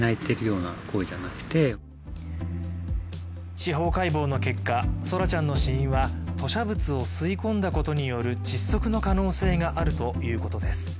司法解剖の結果、奏良ちゃんの死因は吐しゃ物を吸い込んだことによる窒息の可能性があるということです。